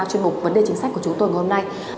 chuyên mục vấn đề chính sách của chúng tôi ngày hôm nay